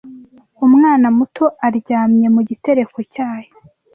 Umwana muto aryamye mu gitereko cyayo,